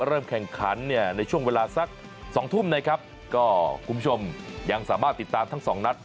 เริ่มแข่งขันเนี่ยในช่วงเวลาสักสองทุ่มนะครับก็คุณผู้ชมยังสามารถติดตามทั้งสองนัด